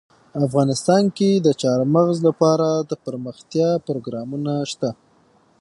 افغانستان کې د چار مغز لپاره دپرمختیا پروګرامونه شته.